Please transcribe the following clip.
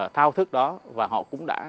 thao thức đó và họ cũng đã